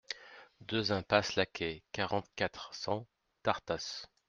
deux impasse Lacay, quarante, quatre cents, Tartas